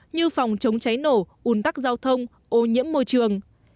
như phòng chống cháy nổ ủn tắc giao thông ô nhiễm môi trường